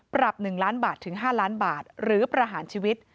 ๑ล้านบาทถึง๕ล้านบาทหรือประหารชีวิต